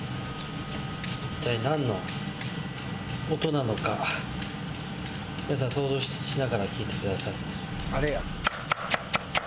一体なんの音なのか皆さん想像しながら聞いてください。